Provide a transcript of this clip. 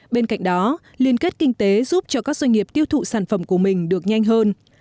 bên cạnh đó liên kết kinh tế giúp cho các doanh nghiệp tiêu thụ sản phẩm của mình được nhanh hơn